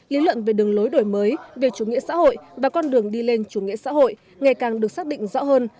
lý luận về đường lối đổi mới về chủ nghĩa xã hội và con đường đi lên chủ nghĩa xã hội ngày càng được xác định rõ hơn